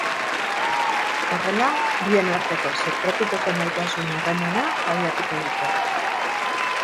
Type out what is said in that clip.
Horrela, bien arteko sekretupeko maitasun harremana abiatuko dute.